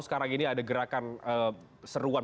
sekarang ini ada gerakan seruan